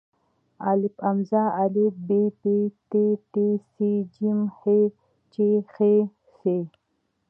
آا ب پ ت ټ ث ج ح چ خ څ